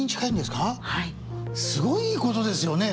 すごいいいことですよね